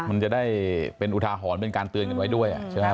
มันจะได้เป็นอุทาหรณ์เป็นการเตือนกันไว้ด้วยใช่ไหม